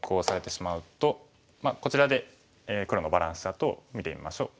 こちらで黒のバランスチャートを見てみましょう。